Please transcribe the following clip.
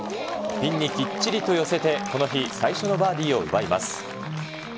ピンにきっちりと寄せて、この日最初のバーディーを奪います。